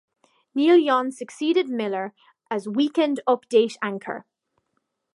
Nealon succeeded Miller as "Weekend Update" anchor.